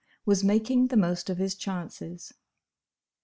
—was making the most of his chances.